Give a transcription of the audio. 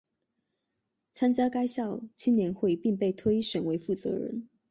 参加该校青年会并被推选为负责人。